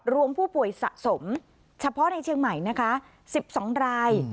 รวมผู้ป่วยสะสมเฉพาะในเชียงใหม่นะคะ๑๒ราย